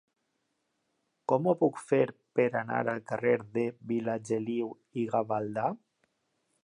Com ho puc fer per anar al carrer de Vilageliu i Gavaldà?